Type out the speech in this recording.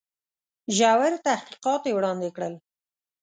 ژور تحقیقات یې وړاندي کړل.